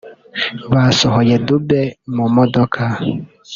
Basohoye Dubs mu modoka